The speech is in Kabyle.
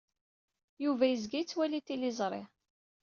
Yuba yezga yettwali tiliẓri.